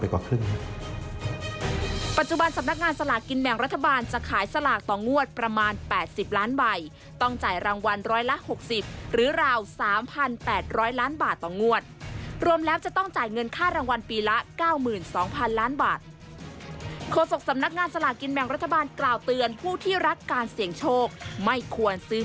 ปัจจุบันสำนักงานสลากกินแบ่งรัฐบาลจะขายสลากต่องวดประมาณ๘๐ล้านใบต้องจ่ายรางวัลร้อยละ๖๐หรือราว๓๘๐๐ล้านบาทต่องวดรวมแล้วจะต้องจ่ายเงินค่ารางวัลปีละ๙๒๐๐๐ล้านบาทโฆษกสำนักงานสลากกินแบ่งรัฐบาลกล่าวเตือนผู้ที่รักการเสี่ยงโชคไม่ควรซื้อ